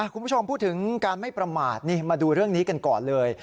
คุณผู้ชมพูดถึงการไม่ประมาทมาดูเรื่องนี้กันก่อนเลย